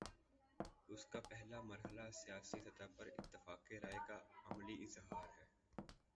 اس کا پہلا مرحلہ سیاسی سطح پر اتفاق رائے کا عملی اظہار ہے۔